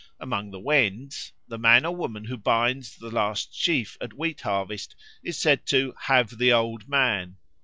Among the Wends the man or woman who binds the last sheaf at wheat harvest is said to "have the Old Man."